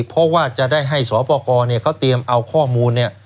เพราะว่าจะได้ให้สอปกรเนี่ยเขาเตรียมเอาข้อมูลเนี่ย